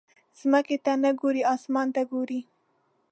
ځمکې ته نه ګورې، اسمان ته ګورې.